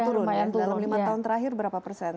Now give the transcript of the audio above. dalam lima tahun terakhir berapa persen